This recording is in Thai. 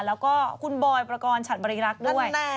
แล้วก็คุณบอยประกอบฉัดบริรักษ์ด้วย